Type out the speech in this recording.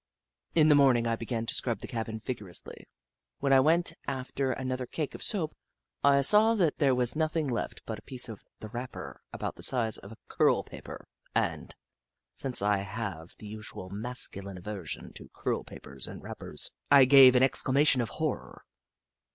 In the morninor I beg^an to scrub the cabin vigorously. When I went after another cake of soap, I saw that there was nothing left but a piece of the wrapper about the size of a curl paper, and, since I have the usual masculine aversion to curl papers and wrappers, I gave an exclamation of horror.